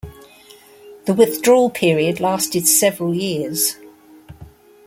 The withdrawal period lasted several years.